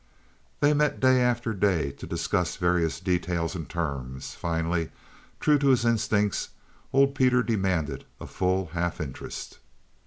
They met day after day to discuss various details and terms; finally, true to his instincts, old Peter demanded a full half interest.